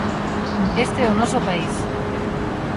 ¡Este é o noso país!